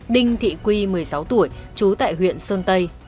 đinh thị quy một mươi sáu tuổi trú tại huyện sơn tây